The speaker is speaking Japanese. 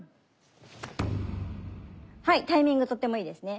はいタイミングとてもいいですね。